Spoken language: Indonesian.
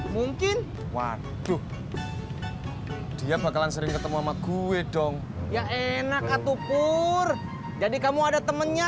mungkin waduh dia bakalan sering ketemu sama gue dong ya enak katupur jadi kamu ada temennya